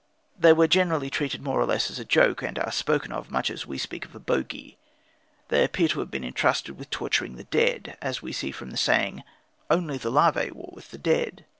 They were generally treated more or less as a joke, and are spoken of much as we speak of a bogey. They appear to have been entrusted with the torturing of the dead, as we see from the saying, "Only the Larvæ war with the dead."